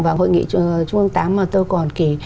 vào hội nghị trung hoa tạm mà tôi còn